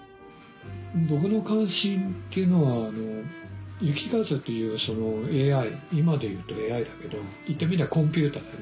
僕の関心っていうのは雪風というＡＩ今で言うとＡＩだけど言ってみりゃコンピューターだよね。